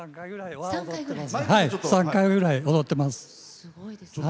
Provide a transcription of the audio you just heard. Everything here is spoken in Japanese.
３回ぐらいは踊ってます。